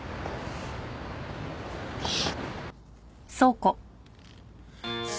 よし！